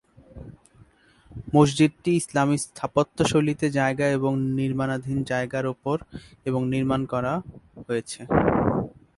মসজিদটি ইসলামি স্থাপত্যশৈলীতে জায়গা এবং নির্মাণাধীন জায়গার উপর এবং নির্মাণ করা হয়েছে।